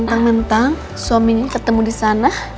mentang mentang suaminya ketemu disana